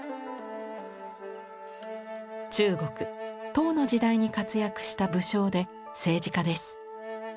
中国唐の時代に活躍した武将で政治家です。